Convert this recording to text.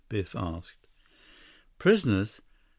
Biff asked. "Prisoners?